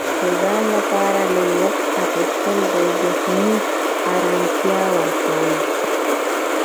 د ځان لپاره لږ وخت اخیستل ذهني ارامتیا ورکوي.